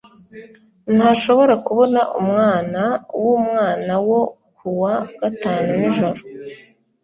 ntashobora kubona umwana wumwana wo kuwa gatanu nijoro.